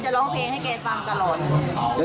ร้องเพลงให้แกฟังตลอด